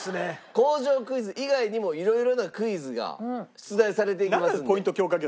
工場クイズ以外にも色々なクイズが出題されていきますので。